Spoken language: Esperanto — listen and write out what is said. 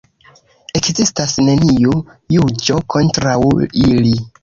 Ekzistas neniu juĝo kontraŭ ili.